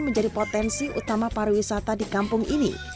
menjadi potensi utama pariwisata di kampung ini